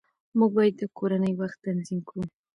موږ باید د کورنۍ وخت تنظیم کړو